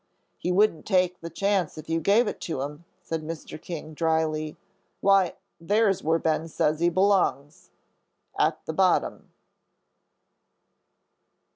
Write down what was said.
"He wouldn't take the chance if you gave it to him," said Mr. King, dryly. "Why, there's where Ben says he belongs at the bottom."